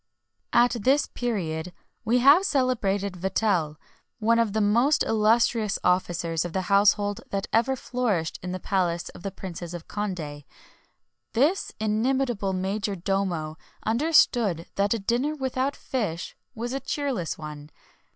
At this period we have the celebrated Vatel, one of the most illustrious officers of the household that ever flourished in the palace of the Princes of Condé. This inimitable major domo understood that a dinner without fish was a cheerless one.